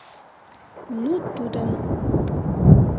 Ну тудым!